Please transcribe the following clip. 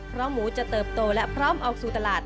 เพราะหมูจะเติบโตและพร้อมออกสู่ตลาด